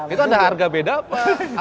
itu ada harga beda apa